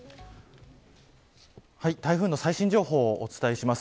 台風の最新情報をお伝えします。